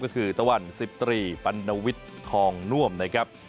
ก็คือตะวัน๑๐ตรีปัณวิทย์ทองน่วมนะครับ